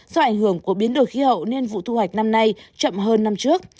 do ảnh hưởng của biến đổi khí hậu nên vụ thu hoạch năm nay chậm hơn năm trước